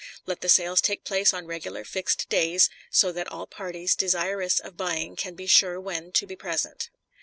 Let the sales take place on regular fixed days, so that all parties desirous of buying can be sure when to be present.